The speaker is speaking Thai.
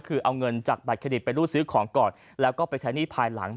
คือเอาเงินจากบัตรเครดิตไปรูดซื้อของก่อนแล้วก็ไปใช้หนี้ภายหลัง